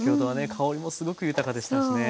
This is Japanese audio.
香りもすごく豊かでしたしね。